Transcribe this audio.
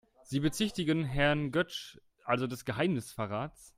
Sie bezichtigen Herrn Götsch also des Geheimnisverrats?